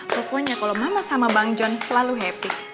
pokoknya kalau mama sama bang john selalu happy